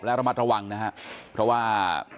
และระมัดระวังนะครับเพราะว่า